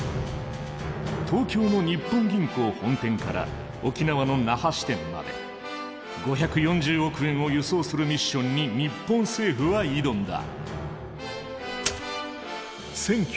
東京の日本銀行本店から沖縄の那覇支店まで５４０億円を輸送するミッションに日本政府は挑んだ。